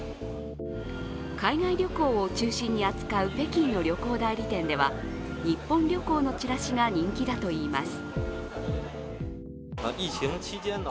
海外旅行を中心に扱う北京の旅行代理店では日本旅行のチラシが人気だといいます。